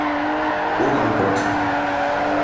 Oh mein Gott!